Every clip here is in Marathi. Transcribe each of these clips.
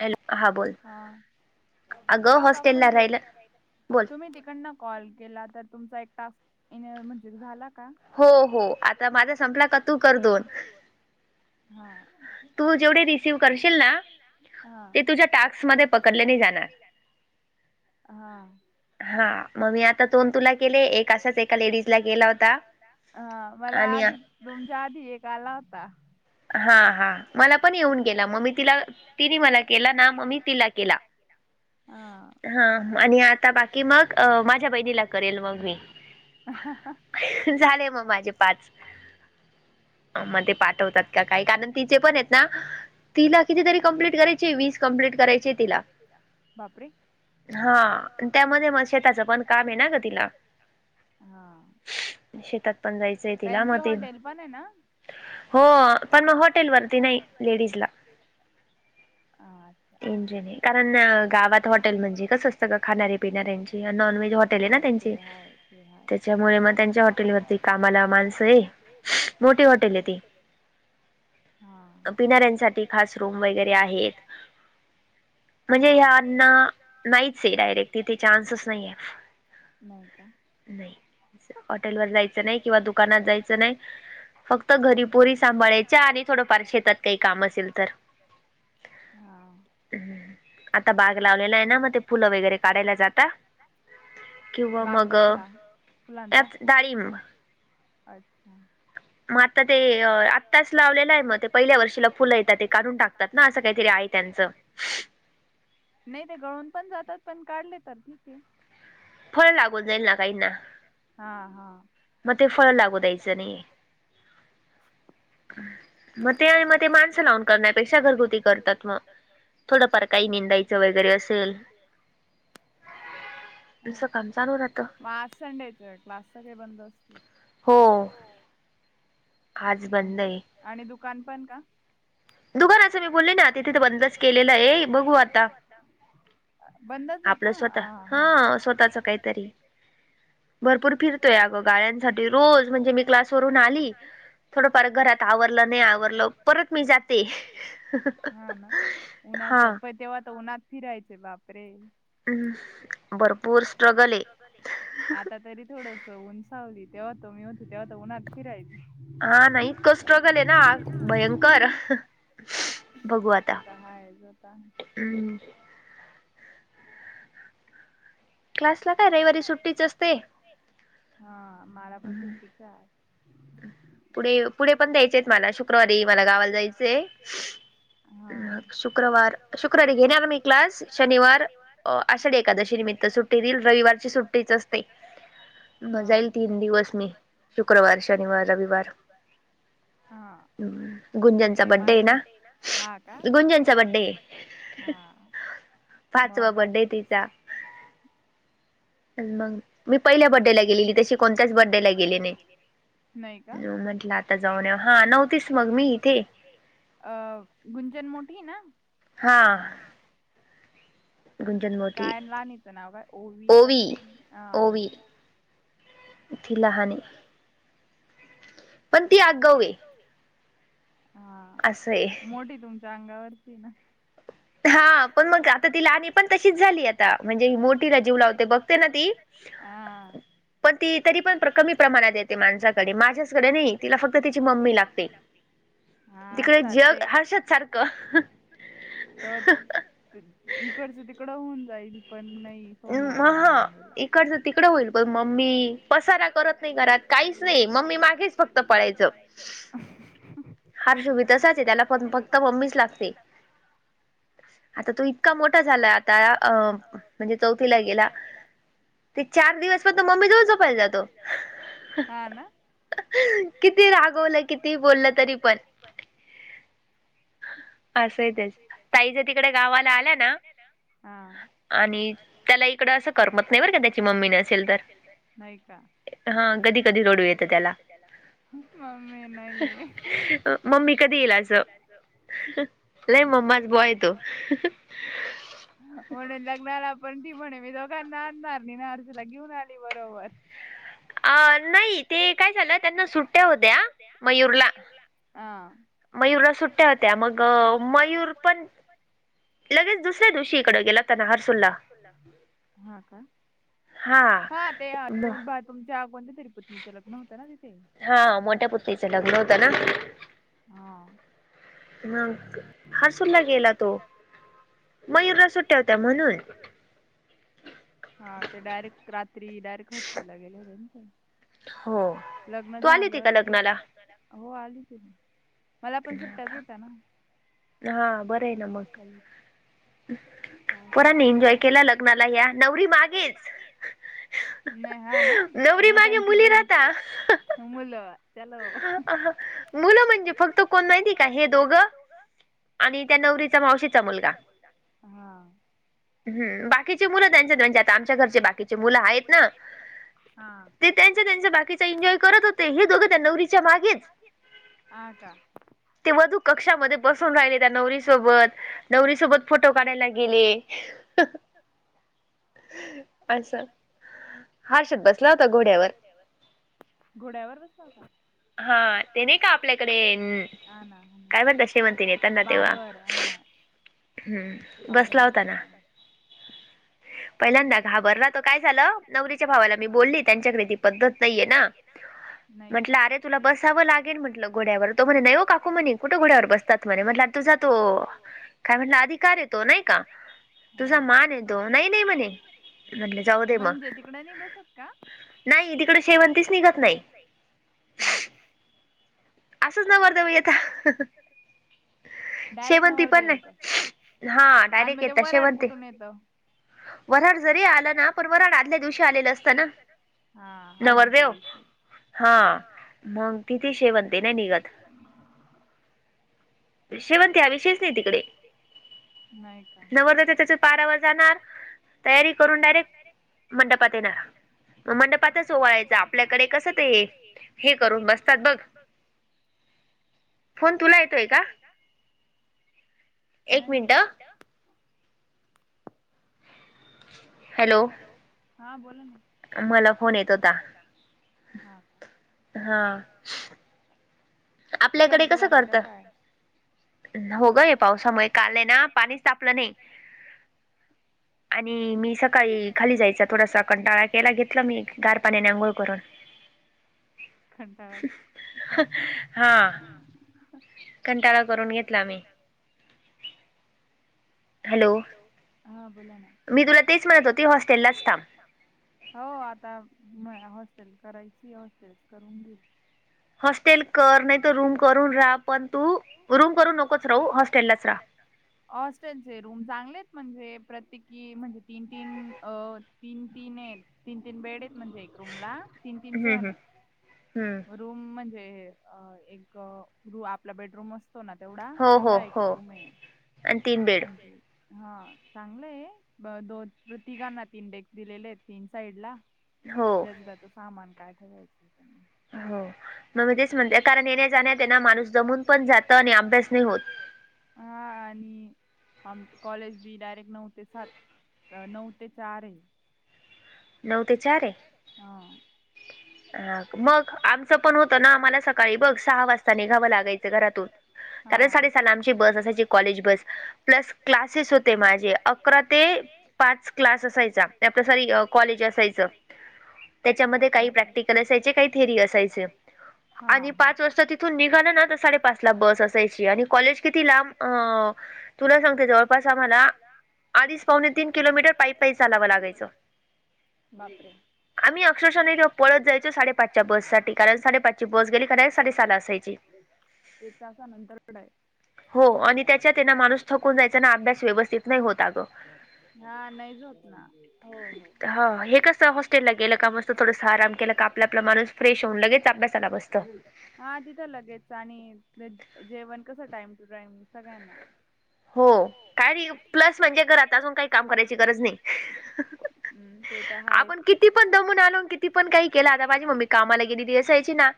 हॅलो हा बोल का काक म्हणजे तुम्ही तिकडन कॉल केला तर तुमचा एक टास्क म्हणजे झाला का हो हो आता माझा संपला का तू कर दोन हा तू जेवढे रिसिव करशील ना ते तुझ्या टास्स मध्ये पकडलेने जाणार हा हा हा म मी आता दोन तुला गेले एच एका लेडीजला गेला होता मला आधी तुमच्या आधी एक आला होता हा हा मला पण येऊन गेला मम्मी तिला तिने मला केला ना मम्मी तिला केला हा आणि आता बाकी मग माझ्या बहिणीला करेल मग मी झाले मग माझे पाच म ते पाठवतात का काही कारण तिचे पण आहेत ना तिला कितीतरी कंप्लीट करायचे वीस कंप्लीट करायचे तिला. हा त्यामध्ये मग शेताचं पण काम आहेना गतिला. शेतात पण जायचंय तिला मग ते. हो.. पण मग हॉटेल वरती नाही लेडीज ला इंज नाही. कारण गावात हॉटेल म्हणजे कसं असतं खाणारे पिणाऱ्यांची नॉनव्हेज हॉटेल आहे ना त्यांची त्याच्यामुळे मग त्यांच्या हॉटेलवरती कामाला माणस आहे मोठी हॉटेल आहे ती पिनाऱ्यांसाठी खास रूम वगैरे आहेत. म्हणजे ह्यांना नाहीच आहे डायरेक्ट तिथे चान्सेस नाहीय. नाही का? नाही.. हॉटेल वर जायचं नाही किंवा दुकानात जायचं नाही फक्त घरी पोरी सांभाळायची [unintelligible] आणि थोड फारेतात कामा ह आता बाग लावलेला आहे ना मग ते फुलं वगैरे काढायला जातात. किंवा मग यात डाळिंब अच्छा. मग आता ते आत्ताच लावलेलं आहे मग ते पहिल्या वर्षीला फुलं येतात ते काढून टाकतात ना असं काहीतरी आहे त्यांच. नाही ते गळून पण जातात पण काढले तर ठीक आहे. फळं लागून जाईल ना काही ना. हा हा. मग ते फळ लागू द्यायचं नाही. मग ते आणि मग ते माणसं लावून करण्यापेक्षा घरगुती करतात मग‌. थोडंफार काही निंदायचं वगैरे असेल. ह म आज संडेच क्लास सगळे बंद असतील? हो. आणि आणि दुकान पण का? दुकान असं मी बोलली ना तिथेते बंदच केलेला आहे बघू आता. बंदच आहे का ह हा स्वतः भरपूर फिरतोय अ गं गायांसाठी रोज म्हणजे मी क्लासवररून आली थोडंफार घरात आवरलं नाही आवरलं परत मी जाते हा. पण तेव्हा त उन्हात फिराहायचे बापरे भरपूर स्ट्रगल आहे. स्ट्रगल हाय. आता तरी थोडस उन्ह सावली तेव्हा त मी होती तेव्हाता उन्हात फिरायचे हा नाही इतकं स्ट्रगल आहे ना भयंकर बघू आता काय करता. हम्म. क्लासला काय रविवारी सुट्टीच असते. हा माला पण सुट्टीचा आहे आज. पुढे, पुढे पण द्यायचे मला शुक्रवारी मला गावाला जायचय. ह शुक्रवार, शुक्रवारी घेणार मी क्लास शनिवार अ आषाढी एकादशी निमित्त सुट्टी देईल रविवारची सुट्टीच असते. म जाईल तीन दिवस मी शुक्रवार, शनिवार, रविवार, गुंजनचा बड्डे आहे ना गुंजनचा बड्डे आहे. हा. पाचवा बड्डे आहे तिचा मग मी पहिल्या बर्थडेला गेलेली तशी कोणत्याच बर्थडेला गेले नाही. नाही का आता जाऊ हा नव्हतीस मग मी इथे. अ गुंजन मोठी आहे ना? हा. काय लाानच नाव काय ओवी का काय हा ओवी ठला हनी पण ती आग आवे हा मोठी तुमच्या अंगावरती ना हा पण मग आता ती लाणी पण तशीच झाली आता म्हणजे ही मोठीला जीव लावते बघते ना ती हा पण ती तरी पण कमी प्रमाणात येते माणसाकडे माझ्याचकडे नाही तिला फक्त तिची मम्मी लागते तिकडे जग हर्षात सारखं इकडच तिकडं होऊन जाईल पण नाही तोंड नाही म इडच तिकड होईल बघ मममी कस करत काहीच नाही मम्मी मागेच फक्त पडायचं फार सुविध असच त्याला प फक्त मम्मीच लागते आता तो इतका मोठा झालाय आता अ म्हणजे चौथीला गेला ते चार दिवस पंत मम्मी जाऊन झोपायला जातो किती रागवलं किती बोललं तरी पण असंय तेच ताईच्या तिकडे गावाला आल्या ना आणि त्याला इकडं असं करमत नाही बर का त्याची मम्मीने असेल तर हा कधी कधी रोडू येतं त्याला मम्मी कधी येईल अस नाही मम्माच बॉय तो म्हणून लग्नाला पण ती म्हणे मी दोघांना आणणार नाही नाजूला घेऊन आली बरोबर ह अ नाही ते काय झालं त्यांना सुट्ट्या होत्या मयूरला मयूरला सुट्ट्या होत्या मग मयूर पण लगेच दुसऱ्या दिवशी इकड गेला हफुलला हा का हा ते तुमच्या कोणत्या तरी पत्नीचं लग्न होतं ना तिथे हा मोठ्या पुत्रीचं लग्न होतं ना हां मग हारसुरला गेला तो मयूररा सुट्ट्या होत्या म्हणून हा ते डायरेक्ट रात्री डायरेक्ट खर्सरला गेले होते ना ते लग्न झालं लगेच हो आली त मला पण सुट्ट्याच होत्या ना हम् पराने एन्जॉय केला लग्नाला या नवरी मागे नाही हा ना मग त्यांची मुलं मुलं म्हणजे फक्त कोण माहिती का हे दोघं आणि त्या नवरीचा मावशीचा मुलगा हम् बाकीची मुलं त्यांच्यात म्हणजे आता आमच्या घरचे बाकीचे मुलं आहेत ना ते त्यांच्या त्यांच्या बाकीच्या एन्जॉय करत होते हे दोघं त्या नवरीच्या मागेच ह का ते वधू कक्षामध्ये बसून राहिले त्या नवरीसोबत दौी सोबत फोटो काढायला गेले असं हर्षात बसला होता घोड्यावर. घोड्यावर बसला होता हा ते नाही का आपल्याकडे काय म्हणत शेमंती नेतना तेव्हा हम्म पाारवत पहिल्यांदाच घाबरला तो काय झालं शवटीच्या भावाला मी बोलली त्यांच्याकरीती पसच नाहीये ना नाही म्हटलं अरे तुला बसावं लागेल म्हटलं ग घोड्यावर तो म्हणे नाही हो काकू म्हणे कुठे घोड्यावर बसतात म्हणे म्हटलं तू जातो काय म्हटलं अधिकार येतो नाही का तुझा मान येतो नाही नाही म्ह म्हटले [inaudible] जाऊ दे मग नाही तिकड शेवंतीस निघत नाही बापरे असंच नवरदेव येता [inaudible] शेवंती पण नाही [inaudible] हा डायरेक्ट येतात शेवंती व्हराड जरी आलं ना पण वराड आदल्या दिवशी आलेलं असतं ना नवरदेव [inaudible] हा मग तिथे शेवंत शेवंती नाही निघत [inaudible] शेवंती हा विषयीच नाही तिकडे [inaudible] नाही का नवदेव तेच -त्याच्या पारावर जाणार तयारी करून डायरेक्ट मंडपात येणार मंडपातचा ओवाळायच आपल्याकडे कसं ते हे करून बसतात बघ फोन तुला येतोय का? नाही एक मिनट हॅलो हॅलो, हा बोला ना मला फोन येत होता हा का हा [inaudible] आपल्याकडे कसं करतात [inaudible] हो ग या पावसामुळे काल आहे ना पाणी तापलं नाही आणि मी सकाळी खाली जायचा थोडासा कंटाळा केला घेतला मी गार पाण्याने अंघोळ करून [inaudible] कंटाळा [inaudible] हां हा [inaudible] [unintelligible] कंटाळा करून घेतला मी हॅलो [unintelligible] हा बोला ना मी तुला तेच म्हणत होती हॉस्टेललाच थांब हो आता म हॉस्टेल करायची हॉस्टेल करून घेल हॉस्टेल कर नाही तर रूम करून राहा पण तू रूम करू नकोच राहू हॉस्टेललाच राहा हॉस्टेलचे रूम चांगले आहेत म्हणजे प्रत्येकी म्हणजे तीन- तीन अ तीन -तीन आहेत तीन -तीन बेड आहेत म्हणजे एक रूम ला [inaudible] तीन- तीन जण आहे रूम म्हणजे जे एक- रू आपला बेडरूम असतो ना तेवढा -तेवढा एक रूम आहे े [unintelligible] हा चांगलं आहे दोन- तिघांना तीन बेड दिलेले आहेत तीन साईड ला ज्याचं -ज्याच सामान काय ठेवायचं त्यांनी हो मग मी तेच म्हणते कारण येण्या जाण्या येना माणूस दमून पण जात आणि अभ्यास नाही होत हा आणि आम- कॉलेज बी डायरेक्ट नऊ ते सात नऊ ते चार आहे नऊ ते चार ये हो ह [inaudible] ह [inaudible] मग आमचं पण होतं ना आम्हाला सकाळी बघ सहा वाजता निघावं लागायचं घरातून कारण साडेसाला आमची बस असायची कॉलेज बस प्लस क्लासेस होते माझे अकरा ते पाच क्लास असायचा आपल्या साॅरी कॉलेज असायच त्याच्यामध्ये काही प्रॅक्टिकल असायचे काही थेअरी असायच आणि पाच वाजता तिथून निघाला ना साडेपाच ला बस असायची आणि कॉलेज किती लांब अ.. तुला सांगते जवळपास आम्हाला अडीच पावणे तीन किलोमीटर पाई- पाई चालावं लागायचं बापरे आम्ही अक्षरशः नय का पळत जायचो साडे पाचच्या बस साठी कारण साडेपाचची बस गेली कनय साडे सला असायची एक तासानंतर डाय. हो आणि त्याच्यात येना माणूस थकून जायचा ना अभ्यास व्यवस्थित नाही होत अगं. हा नाहीच होत ना हो हो. ह हे कसं हॉस्टेलला गेलं का मस्त थोडस आराम केलं का आपला आपला माणूस फ्रेश होऊन लगेच अभ्यासाला बसतो. हा तिथं लगेच आणि जेवण कसं टाइम टू टाइम सगळ्यांना हो काय प्लस म्हणजे घर आताजून काही काम करायची गरज नाही. हम्म ते तर हा आपण किती पण दमून आलो किती पण काही केलं आता माझी मम्मी कामाला गेली ती असायची ना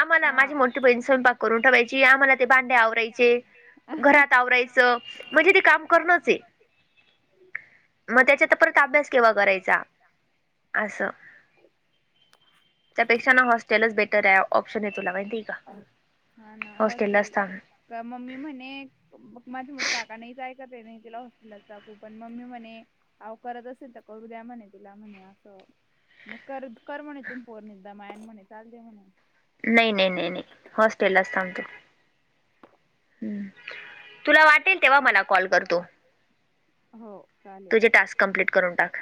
आम्हाला माझी मोठी बहिण स्वयंपाक करून ठेवायची आम्हाला ते भांड्या आवरायचे घरात आवरायचं म्हणजे ते काम करणच आहे मग त्याच्यात परत अभ्यास व करायचा असं. त्यापेक्षा ना हॉस्टेलच बेटर आहे ऑप्शन आहे तुला माहिती आहे का. हा ना हॉस्टेल का मम्मी म्हणे माझे मोठे काका नाहीचय कर नाही तिला हॉस्टेलला टाकू पण मम्मी म्हणे अव करत असेल तर करू द्या म्हणे तिला म्हणे असं. मग कर कर म्हणे तून फोन एकदा मायन म्हणे चालते म्हणे [unintelligible] नाही नाही नाही नाही हॉस्टेललाच थांब तु. हम्म तुला वाटेल तेव्हा मला कॉल कर तू. तुझे टास्क कंप्लीट करून टाक.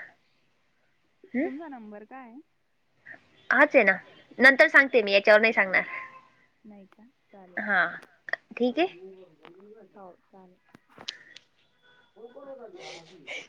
तुमचा नंबर काय ये? हाच आहे ना नंतर सांगते मी याच्यावर नाही सांगणार. नाही का चालेल हा. हव चालेल.